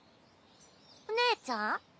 お姉ちゃん？